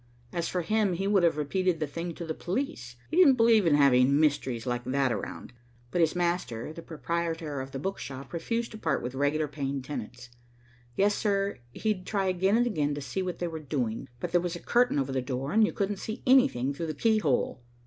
As for him, he would have repeated the thing to the police. He didn't believe in having mysteries like that around, but his master, the proprietor of the book shop, refused to part with regular paying tenants. Yes, sir, he'd tried again and again to see what they were doing, but there was a curtain over the door, and you couldn't see anything through the keyhole.